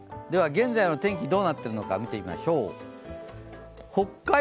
現在の天気どうなっているのか見てみましょう。